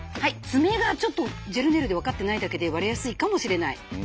爪がちょっとジェルネイルで分かってないだけで割れやすいかもしれない。